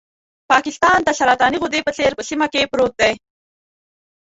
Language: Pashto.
پاکستان د سرطاني غدې په څېر په سیمه کې پروت دی.